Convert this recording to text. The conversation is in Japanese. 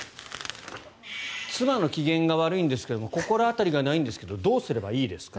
妻の機嫌が悪いんですが心当たりがないんですがどうすればいいですか？